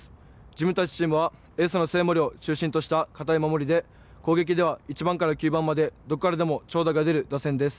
自分たちのチームは、エースの生盛を中心とした堅い守りで攻撃では１番から９番までどこからでも長打が出る打線です。